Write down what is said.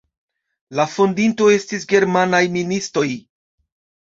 La fondintoj estis germanaj ministoj.